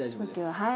はい。